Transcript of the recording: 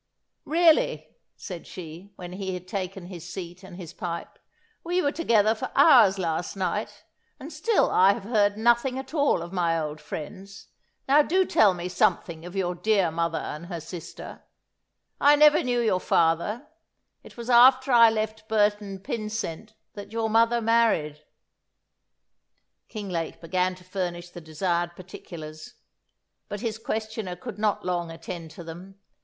"Really," said she, when he had taken his seat and his pipe, "we were together for hours last night, and still I have heard nothing at all of my old friends; now do tell me something of your dear mother and her sister; I never knew your father it was after I left Burton Pynsent that your mother married." Kinglake began to furnish the desired particulars; but his questioner could not long attend to them.